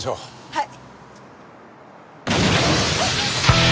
はい！